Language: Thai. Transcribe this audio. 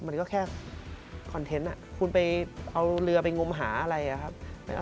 มันก็แค่คอนเทนต์คุณไปเอาเรือไปงมหาอะไรอะครับ